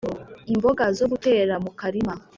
imboga zo gutera mukarima